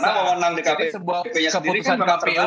karena mau menang dkpp sendiri kan mereka cermaksas